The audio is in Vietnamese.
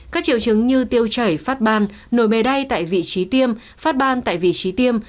các triệu chứng như tiêu chảy phát ban nổi bề đay tại vị trí tiêm phát ban tại vị trí tiêm